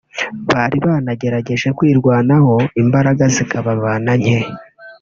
bari banagerageje kwirwanaho imbaraga zikababana nke